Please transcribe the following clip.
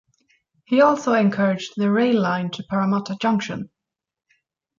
He also encouraged the rail line to Parramatta Junction.